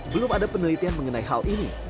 belum ada penelitian mengenai hal ini